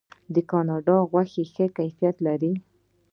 د کاناډا غوښه ښه کیفیت لري.